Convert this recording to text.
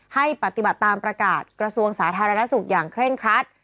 ให้ปฏิบัติตามประกาศกระทรวงสาธารณสุขอย่างเคร่งครัด